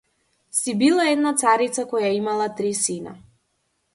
Си била една царица која имала три сина.